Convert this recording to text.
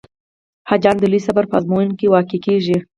حاجیان د لوی صبر په آزمون کې واقع کېږي.